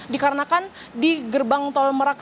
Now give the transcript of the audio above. dikarenakan di gerbang tol merak